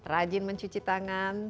rajin mencuci tangan